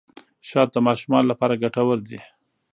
شات د ماشومانو لپاره ګټور دي.